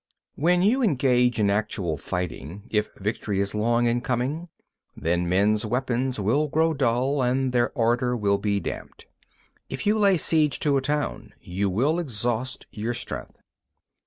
When you engage in actual fighting, if victory is long in coming, the men's weapons will grow dull and their ardour will be damped. If you lay siege to a town, you will exhaust your strength.